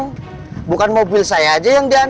ini bukan t probe turn shorter